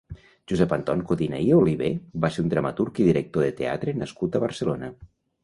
Josep Anton Codina i Olivé va ser un dramaturg i director de teatre nascut a Barcelona.